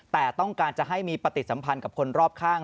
แต่ต้องการจะให้มีปฏิสัมพันธ์กับคนรอบข้าง